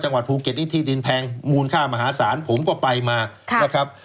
จังหวัดภูเก็ตนี่ที่ดินแพงมูลค่ามหาศาลผมก็ไปมานะครับ